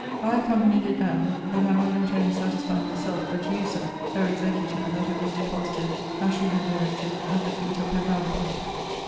I accompanied it down, that I might not only satisfy myself, but you, Sir, her executor, that it was deposited, as she had directed, at the feet of her grandfather.